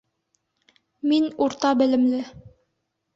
Мин урта белемле